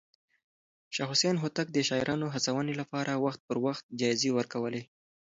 شاه حسين هوتک د شاعرانو هڅونې لپاره وخت پر وخت جايزې ورکولې.